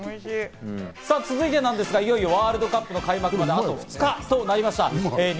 さぁ続いてなんですが、いよいよワールドカップの開幕まで、あと２日となりました。